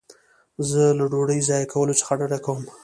زه له ډوډۍ ضایع کولو څخه ډډه کوم.